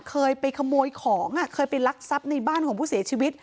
เคยไปขโมยของเคยไปลักทรัพย์ในบ้านของผู้เสียชีวิต